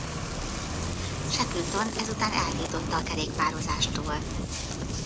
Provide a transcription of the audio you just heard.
Shackleton ezután eltiltotta a kerékpározástól.